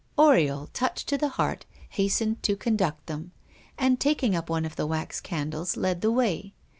Oriol, touched to the heart, hastened to conduct them, and, taking up one of the wax candles, led the way.